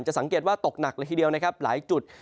จะสังเกตว่าตกหนักละทีเดียวหลายจุด